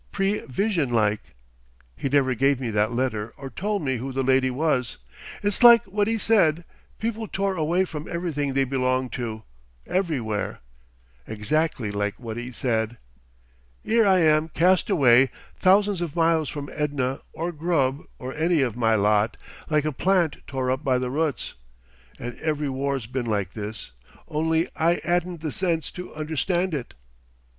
Prevision like. 'E never gave me that letter or tole me who the lady was. It's like what 'e said people tore away from everything they belonged to everywhere. Exactly like what 'e said.... 'Ere I am cast away thousands of miles from Edna or Grubb or any of my lot like a plant tore up by the roots.... And every war's been like this, only I 'adn't the sense to understand it.